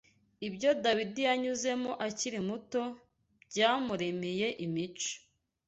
Ibyo Dawidi yanyuzemo akiri muto byamuremeye imico